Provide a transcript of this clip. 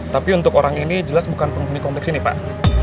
tapi untuk orang ini jelas bukan penghuni kompleks ini pak